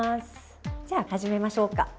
じゃあ始めましょうか。